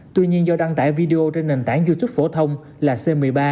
tuy nhiên do đăng tải video trên nền tảng youtube phổ thông là c một mươi ba